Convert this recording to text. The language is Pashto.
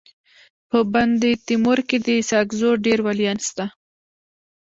په بندتیمور کي د ساکزو ډير ولیان سته.